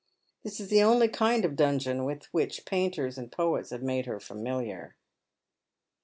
This is the only kind of dungeon with which painters and poets have made her familiar.